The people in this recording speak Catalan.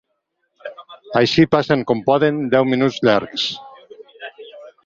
Així passen com poden deu minuts llargs.